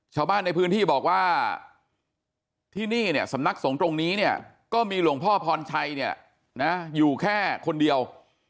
ชาวบ้านในพื้นที่บอกว่าที่นี่สำนักสงตรงนี้ก็มีหลวงพ่อพรชัยอยู่แค่คนเดียว